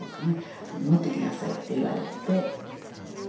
持っていきなさいって言われて。